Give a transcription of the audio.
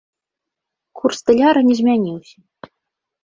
Курс даляра не змяніўся.